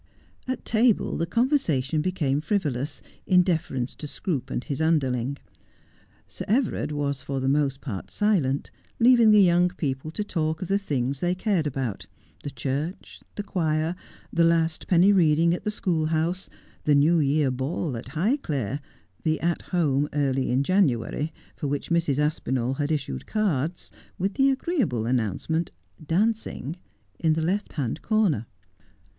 At table the conversation became frivolous, in deference to Scroope and his underling. Sir Everard was for the most part silent, leaving the young people to talk of the things they cared about — the church — the choir — the last penny reading at the school house — the New Year ball at Highclere — the At Home early in January, for which Mrs. Aspinall had issued cards, with the agreeable announcement, 'Dancing,' in the left hand corner.